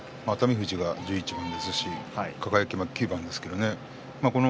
富士は１１番ですし輝も９番ですけどね。